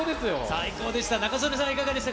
最高でした。